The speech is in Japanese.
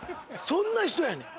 そんな人やねん。